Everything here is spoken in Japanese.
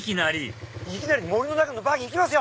いきなり森の中のバギーいきますよ！